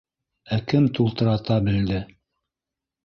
Ә кем тултыра табелде?